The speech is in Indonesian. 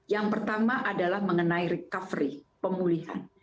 yang pertama adalah mengenai recovery pemulihan